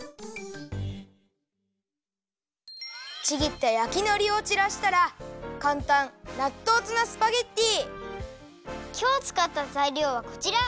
ちぎったやきのりをちらしたらかんたんきょうつかったざいりょうはこちら！